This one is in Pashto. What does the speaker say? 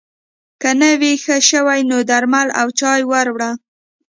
که نه وي ښه شوی نو درمل او چای ور وړه